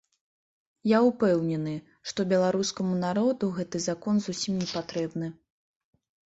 Я ўпэўнены, што беларускаму народу гэты закон зусім не патрэбны.